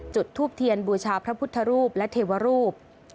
จุดทูบเทียนบูชาพระพุทธรูปและเทวรูป